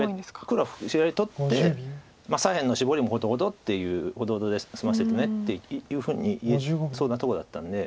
黒は左上取って左辺のシボリもほどほどっていうほどほどで済ませたねっていうふうに言えそうなとこだったんで。